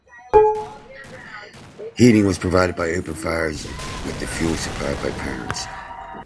Heating was provided by open fires with the fuel supplied by parents.